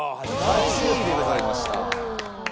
８位でございました。